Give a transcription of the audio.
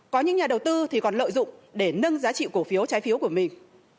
có những nhà đầu tư thì còn lợi dụng để nâng giá trị cổ phiếu trái phiếu của mình